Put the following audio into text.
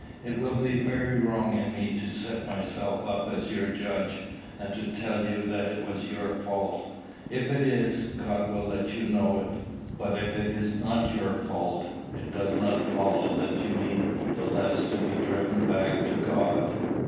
It would be very wrong in me to set myself up as your judge, and to tell you that it was your fault. If it is, God will let you know it. But if it be not your fault, it does not follow that you need the less to be driven back to God.